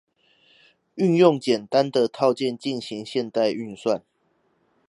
運用簡單的套件進行現代運算